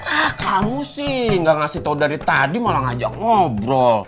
ah kamu sih gak ngasih tau dari tadi malah ngajak ngobrol